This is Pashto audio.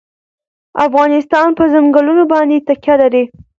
افغانستان په ځنګلونه باندې تکیه لري.